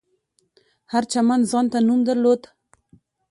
هر چمن ځانته نوم درلود.